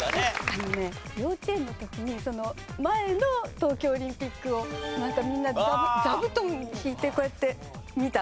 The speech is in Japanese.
あのね幼稚園の時に前の東京オリンピックをみんなで座布団を敷いてこうやって見た記憶があります。